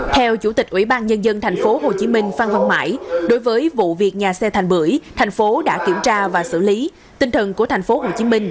theo chủ tịch ủy ban nhân dân tp hcm phan văn mãi đối với vụ việc nhà xe thành bưởi thành phố đã kiểm tra và xử lý tinh thần của tp hcm